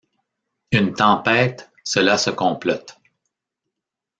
Une tempête, cela se complote.